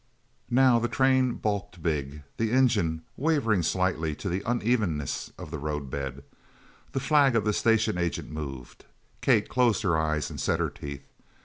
Now the train bulked big, the engine wavering slightly to the unevenness of the road bed. The flag of the station agent moved. Kate closed her eyes and set her teeth.